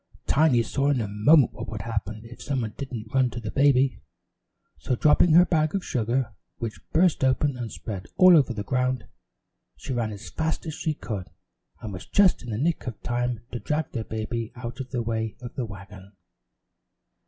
Tiny saw in a moment what would happen if somebody didn't run to the baby, so dropping her bag of sugar, which burst open and spread all over the ground, she ran as fast as she could and was just in the nick of time to drag the baby out of the way of the wagon.